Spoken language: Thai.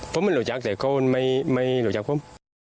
ผมไม่รู้จักแต่เขาไม่รู้จักผม